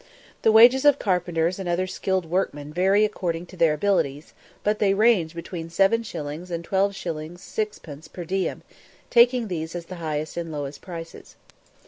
The wages of carpenters and other skilled workmen vary according to their abilities; but they range between 7_s._ and 12_s._ 6_d._ per diem, taking these as the highest and lowest prices.